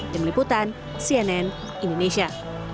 demi liputan cnn indonesia